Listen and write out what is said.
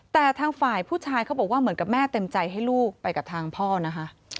แต่ทางฝ่ายผู้ชายเขาบอกว่าเหมือนกับแม่เต็มใจให้ลูกไปกับทางพ่อนะคะ